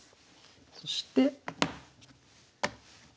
そして。